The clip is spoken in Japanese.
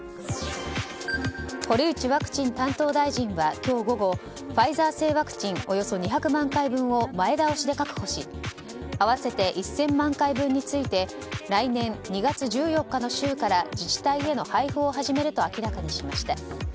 堀内ワクチン担当大臣は今日午後ファイザー製ワクチンおよそ２００万回分を前倒しで確保し合わせて１０００万回分について来年２月１４日の週から自治体への配布を始めると明らかにしました。